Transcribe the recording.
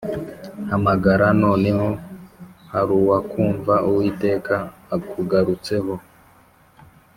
Hamagara noneho haruwakumva uwiteka akugarutseho